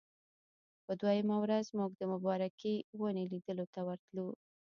په دویمه ورځ موږ د مبارکې ونې لیدلو ته ورتللو.